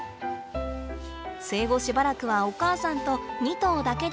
生後しばらくはお母さんと２頭だけで暮らします。